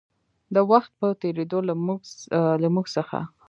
د وخـت پـه تېـرېدو لـه مـوږ څـخـه